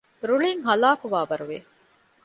ރުޅިން ހަލާކުވާވަރު ވެ